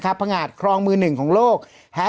พี่ปั๊ดเดี๋ยวมาที่ร้องให้